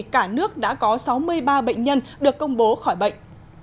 cả nước đã có sáu mươi ba bệnh nhân được công bố khỏi bệnh